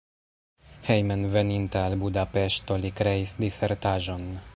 Hejmenveninta al Budapeŝto li kreis disertaĵon.